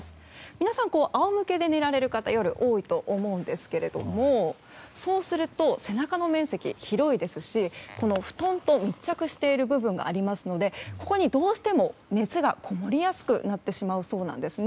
皆さん、仰向けで寝られることが多いと思うんですがそうすると、背中の面積広いですし布団と密着している部分がありますのでここにどうしても熱がこもりやすくなってしまうそうです。